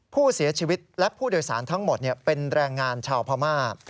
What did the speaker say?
ผู้เสียชีวิตและผู้โดยสารทั้งหมดเป็นแรงงานชาวพม่า